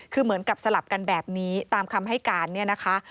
คือเหมือนกับสลับกันแบบนี้ตามคำให้การเนี่ยนะคะ